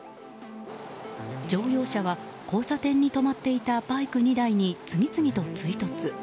乗用車は交差点に止まっていたバイク２台に次々と追突。